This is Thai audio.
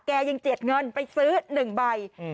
ยังเจียดเงินไปซื้อ๑ใบ